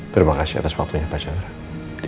terima kasih atas waktunya pak chandra